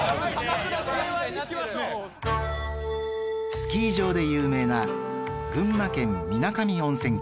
スキー場で有名な群馬県水上温泉郷